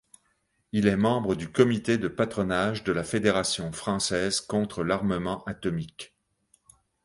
Il est membre du Comité de patronage de la Fédération française contre l'armement atomique.